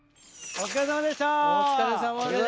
お疲れさまでした！